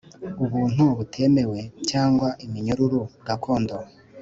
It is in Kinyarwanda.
Ubuntu butemewe cyangwa iminyururu gakondo